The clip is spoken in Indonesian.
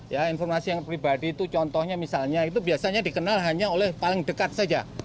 ya informasi yang pribadi itu contohnya misalnya itu biasanya dikenal hanya oleh paling dekat saja